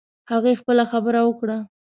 هغې خپله خبره وکړه